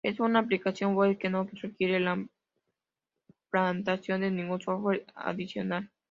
Es una aplicación web que no requiere la implantación de ningún software adicional.